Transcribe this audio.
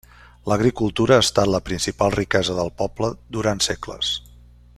L'agricultura ha estat la principal riquesa del poble durant segles.